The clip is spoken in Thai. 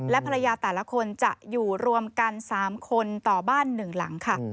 และภรรยาแต่ละคนจะอยู่รวมกัน๓คนต่อบ้าน๑หลังค่ะ